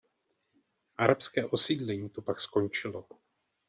Arabské osídlení tu pak skončilo.